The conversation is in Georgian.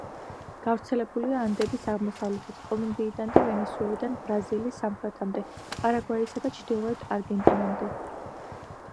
გავრცელებულია ანდების აღმოსავლეთით, კოლუმბიიდან და ვენესუელიდან ბრაზილიის სამხრეთამდე, პარაგვაისა და ჩრდილოეთ არგენტინამდე.